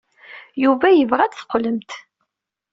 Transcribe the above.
Yuba yebɣa ad d-teqqlemt.